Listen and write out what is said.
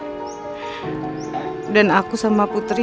aku sudah berhenti ngantar makan siang sama putri